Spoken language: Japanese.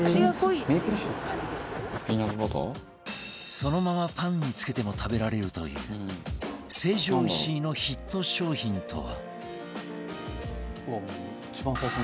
そのままパンにつけても食べられるという成城石井のヒット商品とは？